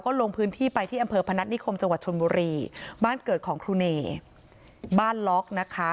ลงพื้นที่ไปที่อำเภอพนัฐนิคมจังหวัดชนบุรีบ้านเกิดของครูเนบ้านล็อกนะคะ